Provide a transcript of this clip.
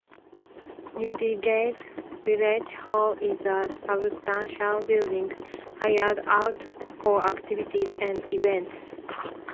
Newdigate village hall is a substantial building hired out for activities and events.